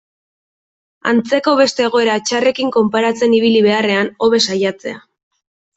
Antzeko beste egoera txarrekin konparatzen ibili beharrean, hobe saiatzea.